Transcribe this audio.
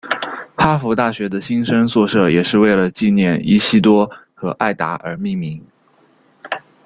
哈佛大学的新生宿舍也是为了纪念伊西多和艾达而命名。